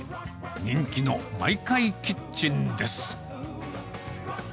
人気のマイカイキッチンです。